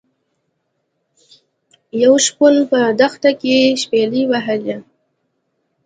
یو شپون په دښته کې شپيلۍ وهله.